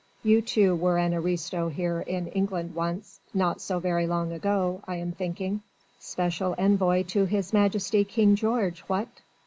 You too were an aristo here in England once not so very long ago, I am thinking special envoy to His Majesty King George, what?